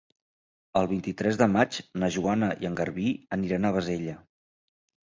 El vint-i-tres de maig na Joana i en Garbí aniran a Bassella.